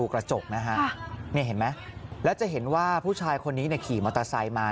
กระจกนะฮะนี่เห็นไหมแล้วจะเห็นว่าผู้ชายคนนี้ขี่มอเตอร์ไซค์มา